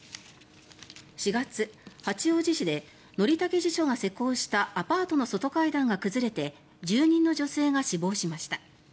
４月、八王子市で則武地所が施工したアパートの外階段が崩れて住人の女性が死亡しました。